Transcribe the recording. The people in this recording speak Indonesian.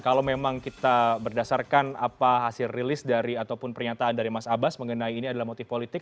kalau memang kita berdasarkan apa hasil rilis dari ataupun pernyataan dari mas abbas mengenai ini adalah motif politik